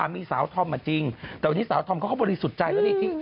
มีสาวธอมมาจริงแต่วันนี้สาวธอมเขาก็บริสุทธิ์ใจแล้วนี่